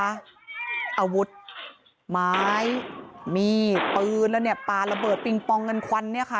อาวุธไม้มีดปืนแล้วเนี่ยปลาระเบิดปิงปองเงินควันเนี่ยค่ะ